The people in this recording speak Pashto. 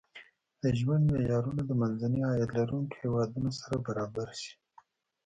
د ژوند معیارونه د منځني عاید لرونکو هېوادونو سره برابر شي.